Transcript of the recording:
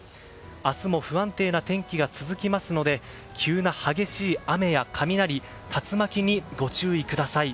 明日も不安定な天気が続きますので急な激しい雨や雷竜巻にご注意ください。